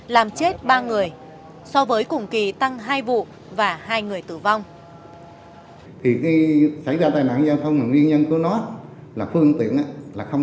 làm chết ba người so với cùng kỳ tăng hai vụ và hai người tử vong